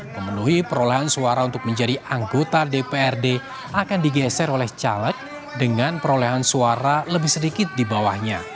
memenuhi perolehan suara untuk menjadi anggota dprd akan digeser oleh caleg dengan perolehan suara lebih sedikit di bawahnya